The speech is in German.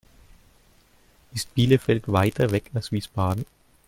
Ist Bielefeld weiter weg als Wiesbaden?